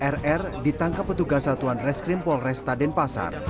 rr ditangkap petugas satuan reskrim polresta denpasar